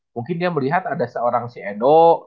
mungkin dia melihat ada seorang si eno